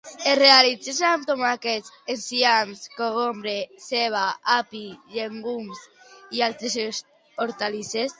Es realitzen amb tomàquet, enciam, cogombre, ceba, api, llegums i altres hortalisses.